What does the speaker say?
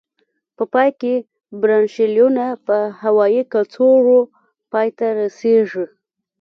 په پای کې برانشیولونه په هوایي کڅوړو پای ته رسيږي.